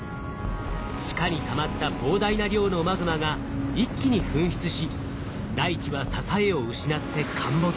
地下にたまった膨大な量のマグマが一気に噴出し大地は支えを失って陥没。